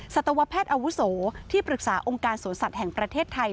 สัตวแพทย์อาวุโสที่ปรึกษาองค์การสวนสัตว์แห่งประเทศไทย